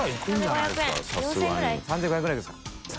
３５００ぐらいですか？